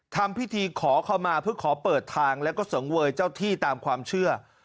ทำพิธีขอเข้ามาเพื่อขอเปิดทางแล้วก็เสริงเวยเจ้าที่ตามความเชื่อ